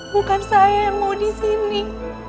bukan saya yang mau disini